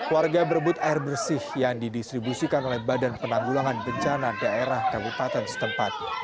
warga berebut air bersih yang didistribusikan oleh badan penanggulangan bencana daerah kabupaten setempat